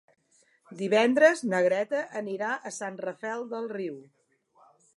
Divendres na Greta anirà a Sant Rafel del Riu.